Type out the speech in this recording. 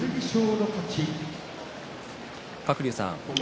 鶴竜さん、翠